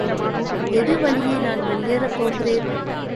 எது வழியே நான் வெளியேறப் போகிறேன்.